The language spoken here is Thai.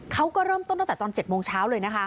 เขาก็เริ่มต้นตั้งแต่ตอน๗โมงเช้าเลยนะคะ